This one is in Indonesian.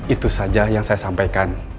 itu saja yang saya sampaikan